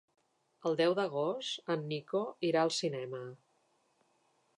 El deu d'agost en Nico irà al cinema.